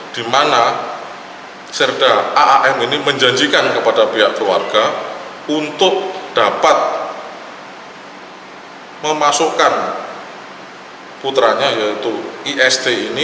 di mana serda aam ini menjanjikan kepada pihak keluarga untuk dapat memasukkan putranya yaitu ist ini